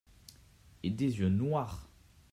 Et des yeux noirs !